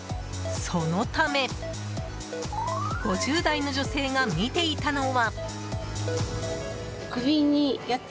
そのため５０代の女性が見ていたのは。